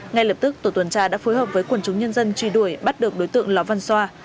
ngay lập tức tổ tuần tra đã phối hợp với quần chúng nhân dân truy đuổi bắt được đối tượng lò văn xoa